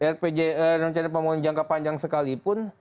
rpjm rencana pembangunan jangka panjang sekalipun